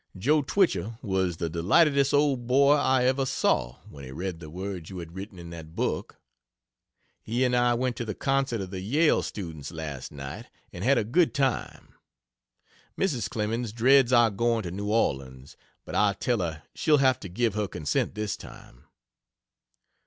Jo Twichell was the delightedest old boy I ever saw, when he read the words you had written in that book. He and I went to the Concert of the Yale students last night and had a good time. Mrs. Clemens dreads our going to New Orleans, but I tell her she'll have to give her consent this time.